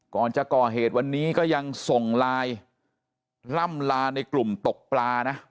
ก่อนจะก่อเหตุวันนี้ก็ยังส่งไลน์ล่ำลาในกลุ่มตกปลานะ